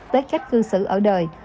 tới cách cư xử ở đời